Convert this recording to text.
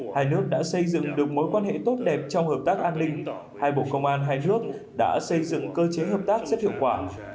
hai nước đã xây dựng được mối quan hệ tốt đẹp trong hợp tác an ninh hai bộ công an hai nước đã xây dựng cơ chế hợp tác rất hiệu quả